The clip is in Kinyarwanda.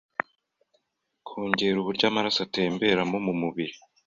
Kongera uburyo amaraso atemberamo mu mubiri